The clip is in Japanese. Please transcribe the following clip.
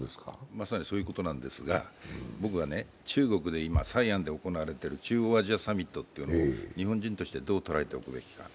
まさにそういうことなんですが、僕は中国で今、サイアンで行われている中央サミットを日本人としてどう捉えておくべきか。